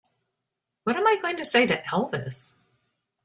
What am I going to say to Elvis?